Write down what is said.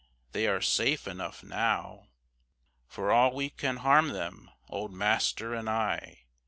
They are safe enough now, For all we can harm them, old master and I.